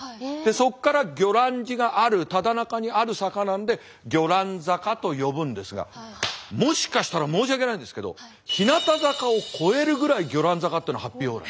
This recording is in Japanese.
そこから魚籃寺があるただ中にある坂なので魚籃坂と呼ぶんですがもしかしたら申し訳ないんですけど日向坂を超えるぐらい魚籃坂ってのはハッピーオーラ。